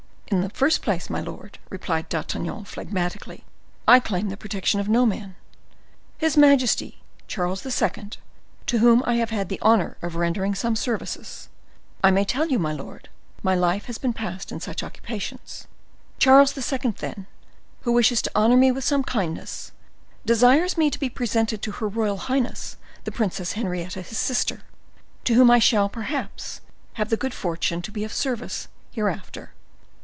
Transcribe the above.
"In the first place, my lord," replied D'Artagnan, phlegmatically, "I claim the protection of no man. His majesty, Charles II., to whom I have had the honor of rendering some services—I may tell you, my lord, my life has been passed in such occupations—King Charles II., then, who wishes to honor me with some kindness, desires me to be presented to her royal highness the Princess Henrietta, his sister, to whom I shall, perhaps, have the good fortune to be of service hereafter.